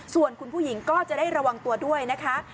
ส่วนคุณผู้หญิงก็จะได้ระวังตัวด้วยนะคะ